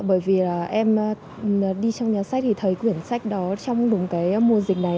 bởi vì em đi trong nhà sách thì thấy quyển sách đó trong đúng cái mùa dịch này